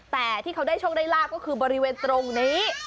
แต่ที่เขาได้โชคได้ลาบก็คือบริเวณตรงนี้